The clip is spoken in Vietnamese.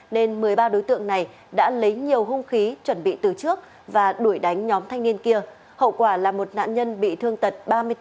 nên một mươi ba đối tượng này đã lấy nhiều hung khí chuẩn bị từ trước và đuổi đánh nhóm thanh niên kia hậu quả là một nạn nhân bị thương tật ba mươi bốn